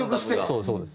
そうですそうです。